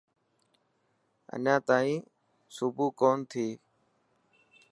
اڃان تائين صبح ڪونه ٿي.